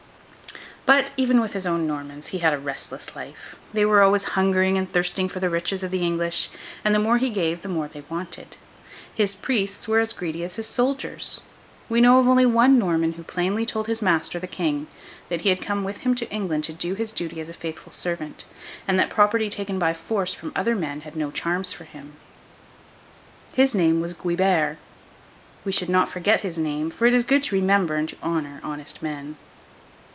But, even with his own Normans, he had a restless life. They were always hungering and thirsting for the riches of the English; and the more he gave, the more they wanted. His priests were as greedy as his soldiers. We know of only one Norman who plainly told his master, the King, that he had come with him to England to do his duty as a faithful servant, and that property taken by force from other men had no charms for him. His name was Guilbert. We should not forget his name, for it is good to remember and to honour honest men.